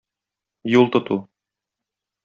Юл тоту.